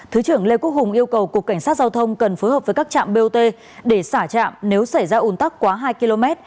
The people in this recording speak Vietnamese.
thứ trưởng lê quốc hùng yêu cầu cục cảnh sát giao thông cần phối hợp với các trạm bot để xả trạm nếu xảy ra ủn tắc quá hai km